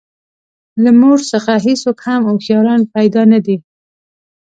له مور څخه هېڅوک هم هوښیاران پیدا نه دي.